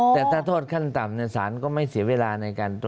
แต่ถ้าโทษขั้นต่ำเนี่ยศาลก็ไม่เสียเวลาในการ